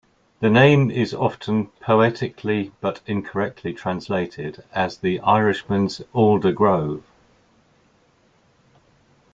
The name is often "poetically", but incorrectly, translated as "The Irishman's Alder Grove".